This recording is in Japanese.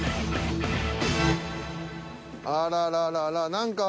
あらららら何か。